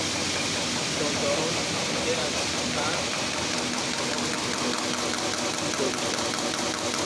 جانداران پوشیده از پر که زیر بوتهها میجنبیدند